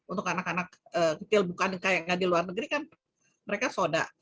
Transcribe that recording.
untuk anak anak kecil bukan kayak nggak di luar negeri kan mereka soda